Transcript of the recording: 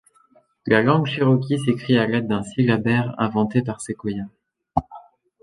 La langue cherokee s'écrit à l'aide d'un syllabaire inventé par Sequoyah.